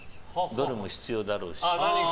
ドルも必要だろうし。